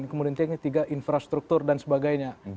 kemudian yang ketiga infrastruktur dan sebagainya